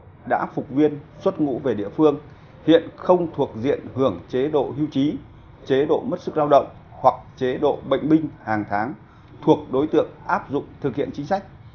các phục viên xuất ngũ về địa phương hiện không thuộc diện hưởng chế độ hưu trí chế độ mất sức lao động hoặc chế độ bệnh binh hàng tháng thuộc đối tượng áp dụng thực hiện chính sách